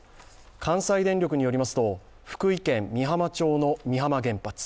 関西電力によりますと福井県美浜町の美浜原発